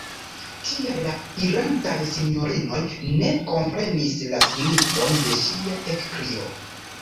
Tial la irantaj sinjorinoj ne komprenis la signifon de ŝia ekkrio.